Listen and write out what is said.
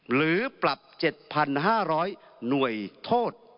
หรือปรับ๗๕๐๐หน่วยโทษ